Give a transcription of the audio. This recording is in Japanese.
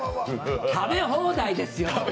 食べ放題ですよ！